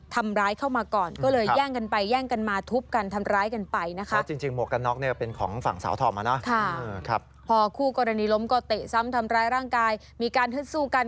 ทำร้ายร่างกายมีการฮึดสู้กัน